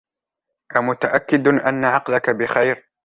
أمتأكد أن عقلك بخير ؟!